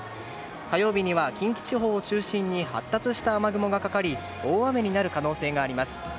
火曜日には近畿地方を中心に発達した雨雲がかかり大雨になる可能性があります。